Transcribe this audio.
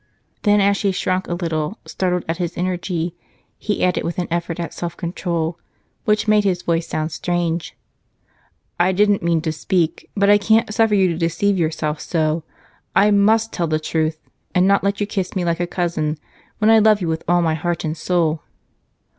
Then, as she shrank a little, startled at his energy, he added, with an effort at self control which made his voice sound strange: "I didn't mean to speak, but I can't suffer you to deceive yourself so. I must tell the truth, and not let you kiss me like a cousin when I love you with all my heart and soul!"